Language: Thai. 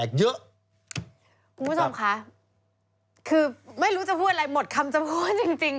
คุณผู้ชมคะคือไม่รู้จะพูดอะไรหมดคำจะพูดจริง